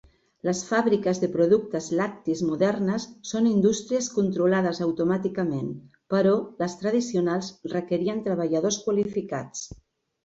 Les fàbriques de productes lactis modernes són indústries controlades automàticament, però les tradicionals requerien treballadors qualificats.